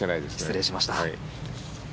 失礼しました。